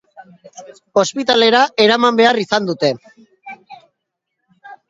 Ospitalera eraman behar izan dute.